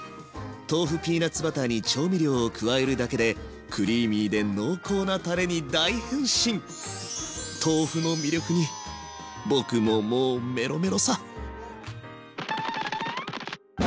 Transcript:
豆腐ピーナツバターに調味料を加えるだけでクリーミーで濃厚なたれに大変身豆腐の魅力に僕ももうメロメロさ。